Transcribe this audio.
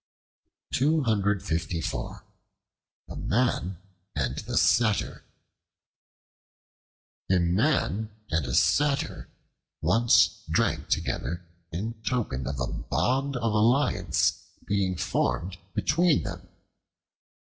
The Man and the Satyr A MAN and a Satyr once drank together in token of a bond of alliance being formed between them.